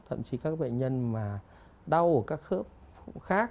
thậm chí các bệnh nhân mà đau ở các khớp khác